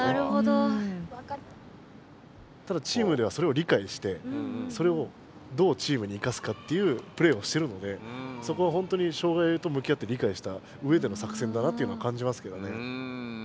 ただチームではそれをりかいしてそれをどうチームに生かすかっていうプレーをしてるのでそこは本当に障害と向き合ってりかいした上での作戦だなっていうのを感じますけどね。